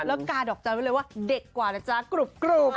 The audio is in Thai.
แล้วกาดอกจันทร์ไว้เลยว่าเด็กกว่านะจ๊ะกรุบ